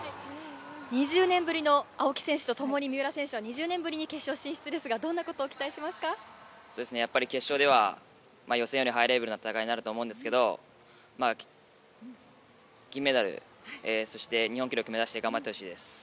２０年ぶりの青木選手とともに、三浦選手は決勝進出ですが決勝では予選よりハイレベルな戦いになると思うんですけど、金メダル、そして日本記録目指して頑張ってもらいたいです。